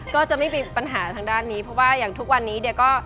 ก็จะไม่มีปัญหาทางด้านนี้เพราะว่าอย่างทุกวันนี้เนี่ยก็